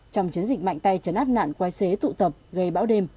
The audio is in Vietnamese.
trong chiến dịch mạnh tay chấn áp nạn quay xế tụ tập gây bão đêm